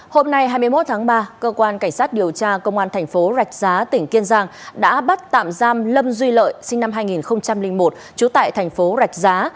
hôm nay hai mươi một tháng ba cơ quan cảnh sát điều tra công an thành phố rạch giá tỉnh kiên giang đã bắt tạm giam lâm duy lợi sinh năm hai nghìn một trú tại thành phố rạch giá